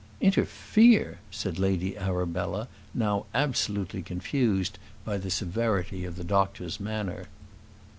"Interfere!" said Lady Arabella, now absolutely confused by the severity of the doctor's manner.